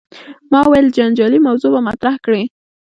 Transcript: ما ویل جنجالي موضوع به مطرح کړې.